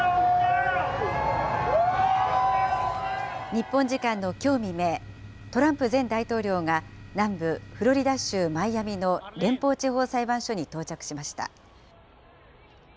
日本時間のきょう未明、トランプ前大統領が、南部フロリダ州マイアミの連邦地方裁判所に到着しました。